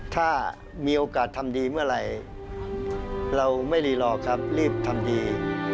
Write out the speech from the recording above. ถ้ามีโอกาสทำดีเมื่อไหร่เราไม่รีรอครับรีบทำดี